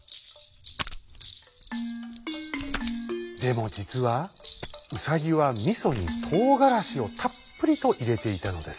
でもじつはウサギはみそにとうがらしをたっぷりといれていたのです。